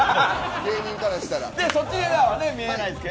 芸人からしたら。